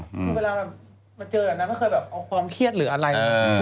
คือเวลามาเจอกันเคยเอาความเครียดหรืออะไร